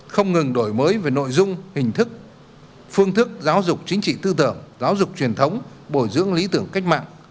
không ngừng đổi mới về nội dung hình thức phương thức giáo dục chính trị tư tưởng giáo dục truyền thống bồi dưỡng lý tưởng cách mạng